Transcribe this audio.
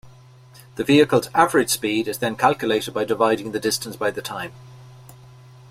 The vehicle's average speed is then calculated by dividing the distance by the time.